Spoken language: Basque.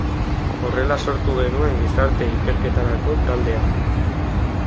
Horrela sortu genuen gizarte ikerketarako talde hau.